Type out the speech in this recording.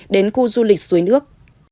đến khu du lịch suối nước